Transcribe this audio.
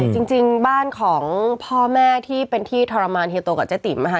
จริงบ้านของพ่อแม่ที่เป็นที่ทรมานเฮียโตกับเจ๊ติ๋มนะคะ